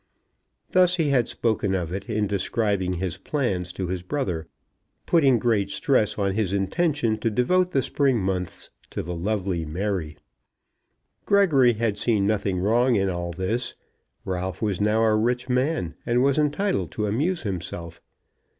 Thus he had spoken of it in describing his plans to his brother, putting great stress on his intention to devote the spring months to the lovely Mary. Gregory had seen nothing wrong in all this. Ralph was now a rich man, and was entitled to amuse himself.